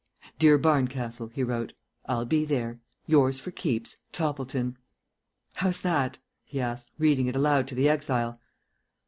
"Dear Barncastle," he wrote. "I'll be there. Yours for keeps, TOPPLETON." "How's that?" he asked, reading it aloud to the exile.